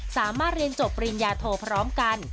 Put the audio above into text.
สามารถเรียนจบปริญญาโทพร้อมกัน